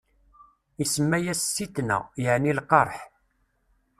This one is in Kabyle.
Isemma-yas Sitna, yeɛni lkeṛh.